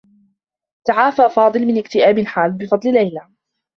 تعافى فاضل من اكتئاب حادّ بفضل ليلى.